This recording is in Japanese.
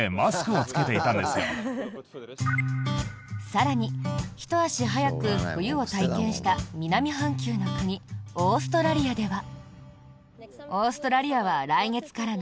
更に、ひと足早く冬を体験した南半球の国オーストラリアでは。